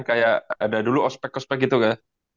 kayak ada dulu ospek ospek gitu kan